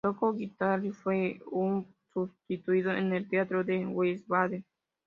Tocó guitarra y fue un sustituto en el Teatro de Wiesbaden.